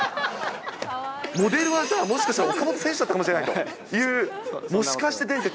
モデルはじゃあ、もしかしたら岡本選手だったかもしれないという、もしかして伝説。